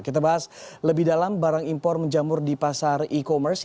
kita bahas lebih dalam barang impor menjamur di pasar e commerce